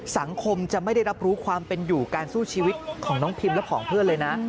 สังคมจะไม่ได้รับรู้ความเป็นอยู่การสู้ชีวิตของน้องพิมและผองเพื่อนเลยนะ